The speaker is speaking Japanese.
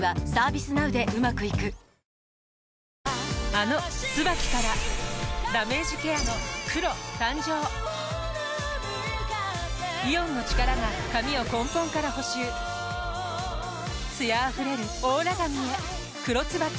あの「ＴＳＵＢＡＫＩ」からダメージケアの黒誕生イオンの力が髪を根本から補修艶あふれるオーラ髪へ「黒ＴＳＵＢＡＫＩ」